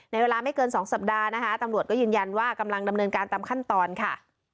เวลาไม่เกินสองสัปดาห์นะคะตำรวจก็ยืนยันว่ากำลังดำเนินการตามขั้นตอนค่ะ